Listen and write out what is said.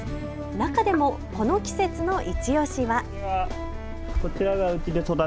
中でもこの季節のいちオシは。